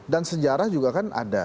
dan sejarah juga kan ada